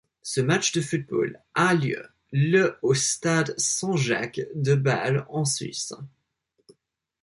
Ce match de football a lieu le au stade Saint-Jacques de Bâle, en Suisse.